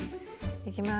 いきます。